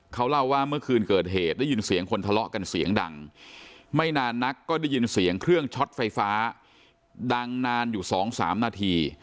เขาเล่าว่าเมื่อคืนเกิดเหตุได้ยินเสียงคนทะเลาะกันเสียงดังไม่นานนักก็ได้ยินเสียงเครื่องช็อตไฟฟ้าดังนานอยู่๒๓นาที